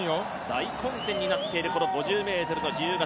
大混戦になっている５０ｍ自由形。